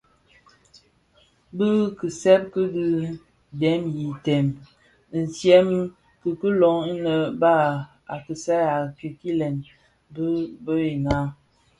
Bi kisèp ki dèm ki teel dyèm ikilön innë bas a kisal a kikilen bi bë naa.